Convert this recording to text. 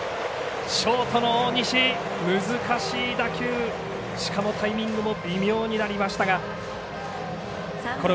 ショートの大西難しい打球しかもタイミングも微妙になりましたが。